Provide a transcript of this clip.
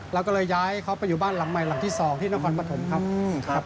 เราก็เลยย้ายเขาไปอยู่บ้านหลังใหม่หลังที่๒ที่นครปฐมครับ